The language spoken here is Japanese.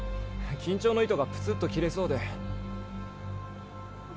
緊張の糸がプツッと切れそうで。